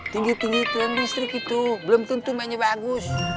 tinggi tinggi itu listrik itu belum tentu banyak bagus